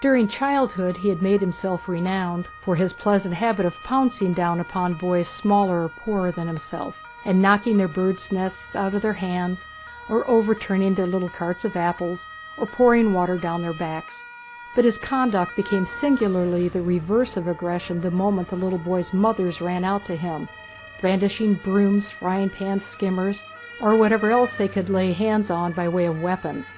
During childhood he had made himself renowned for his pleasant habit of pouncing down upon boys smaller and poorer than himself, and knocking their birds' nests out of their hands, or overturning their little carts of apples, or pouring water down their backs; but his conduct became singularly the reverse of aggressive the moment the little boys' mothers ran out to him, brandishing brooms, frying pans, skimmers, and whatever else they could lay hands on by way of weapons.